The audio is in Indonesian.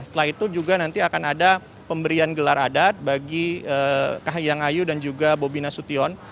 setelah itu juga nanti akan ada pemberian gelar adat bagi kahayangayu dan juga bobina sution